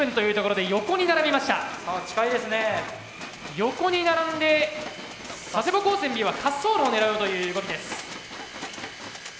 横に並んで佐世保高専Ｂは滑走路を狙うという動きです。